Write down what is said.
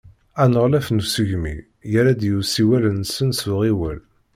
Aneɣlaf n usegmi, yerra-d i usiwel-nsen s uɣiwel.